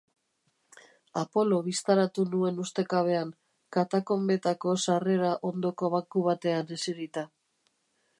Apolo bistaratu nuen ustekabean, katakonbetako sarrera ondoko banku batean eserita.